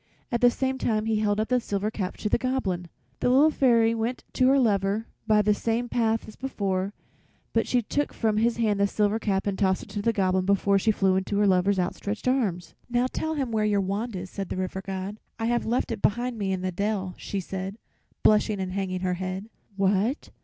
At the same time he held up a little silver cap to the Goblin. The Little Fairy went to her lover by the same path as before, but she took from his hand the little silver cap and tossed it to the Goblin before she flew into her lover's outstretched arms. "Now tell him where your wand is," said the River God. "I have left it behind me in the dell," she said, blushing and hanging her head. "What!